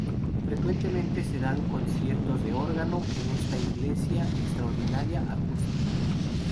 Frecuentemente se dan conciertos de órgano en esta iglesia de extraordinaria acústica.